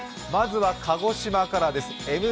まずは鹿児島からです。